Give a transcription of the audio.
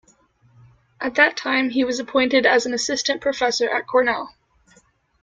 At that time he was appointed as an assistant professor at Cornell.